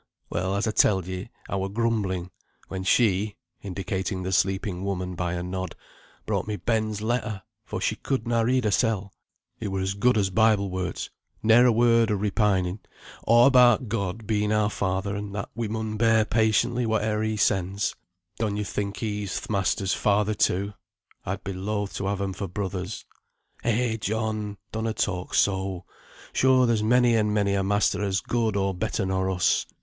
Well, as I telled ye, I were grumbling, when she (indicating the sleeping woman by a nod) brought me Ben's letter, for she could na read hersel. It were as good as Bible words; ne'er a word o' repining; a' about God being our Father, and that we mun bear patiently whate'er He sends." "Don ye think He's th' masters' Father, too? I'd be loath to have 'em for brothers." "Eh, John! donna talk so; sure there's many and many a master as good or better nor us."